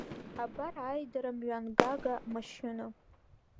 Абар аидара мҩангага амашьына…